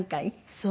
そう。